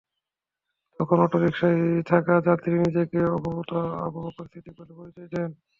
তখন অটোরিকশায় থাকা যাত্রী নিজেকে অপহূত আবু বকর সিদ্দিক বলে পরিচয় দেন।